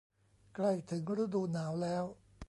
ใกล้ถึงฤดูหนาวแล้ว